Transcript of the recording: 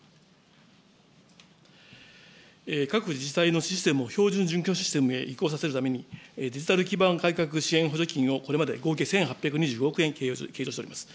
各自治体のシステムを、標準準拠システムへ移行させるために、デジタル基盤改革支援補助金をこれまで合計１８２５億円計上しております。